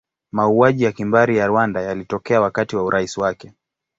Mauaji ya kimbari ya Rwanda yalitokea wakati wa urais wake.